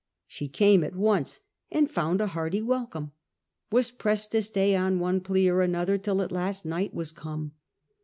She came at once, and found Naples. ^ hearty welcome ; was pressed to stay on one plea or another till at last night was come.